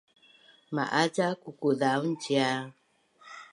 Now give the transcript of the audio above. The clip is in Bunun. Ma’az ca kukuzaun cia?